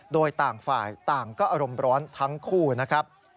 โดยต่างฝ่ายต่างก็อารมณ์ร้อนทั้งคู่นะครับ